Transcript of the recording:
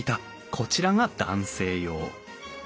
こちらが男性用。